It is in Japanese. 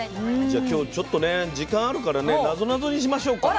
じゃあ今日ちょっとね時間あるからねなぞなぞにしましょうか。